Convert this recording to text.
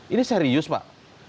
ini serius pak